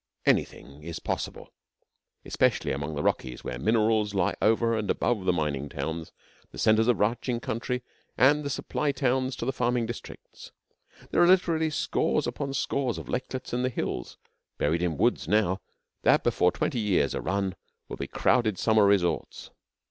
Anything is possible, especially among the Rockies where the minerals lie over and above the mining towns, the centres of ranching country, and the supply towns to the farming districts. There are literally scores upon scores of lakelets in the hills, buried in woods now, that before twenty years are run will be crowded summer resorts.